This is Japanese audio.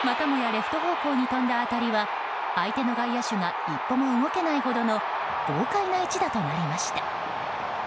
レフト方向に飛んだ当たりは相手の外野手が一歩も動けないほどの豪快な一打となりました。